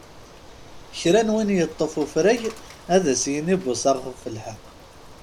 Kra n win iṭṭef ufrag ad s-yini buṣaɣ ɣef lḥeq.